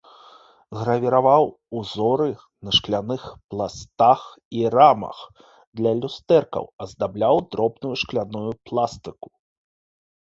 Гравіраваў узоры на шкляных пластах і рамах для люстэркаў, аздабляў дробную шкляную пластыку.